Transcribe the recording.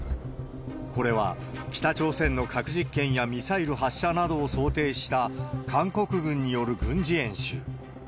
これは、北朝鮮の核実験やミサイル発射などを想定した、韓国軍による軍事演習。